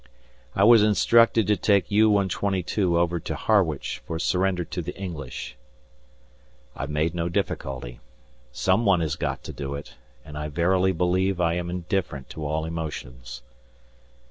I was instructed to take U.122 over to Harwich for surrender to the English. I made no difficulty; some one has got to do it, and I verily believe I am indifferent to all emotions.